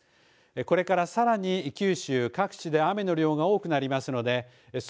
これから先、九州各地で雨の量が多くなりますので予想